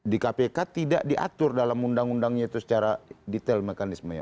di kpk tidak diatur dalam undang undangnya itu secara detail mekanismenya